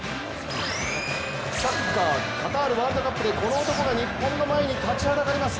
サッカー、カタールワールドカップでこの男が日本の前に立ちはだかります。